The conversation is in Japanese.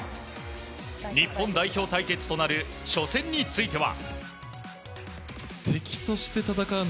日本代表対決となる初戦については。